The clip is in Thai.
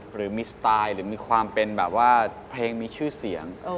หรือมีสไตล์หรือมีความเป็นแบบว่าเพลงมีชื่อเสียง